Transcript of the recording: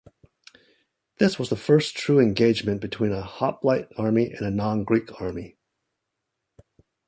This was the first true engagement between a hoplite army and a non-Greek army.